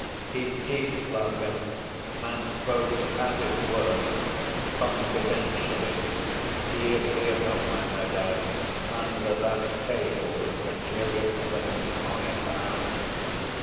He ceased laughing and spoke as it were, confidentially. "He is here somewhere, no doubt—under that table with the material evidence on it, perhaps.